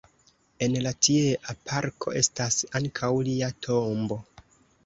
En la tiea parko estas ankaŭ lia tombo.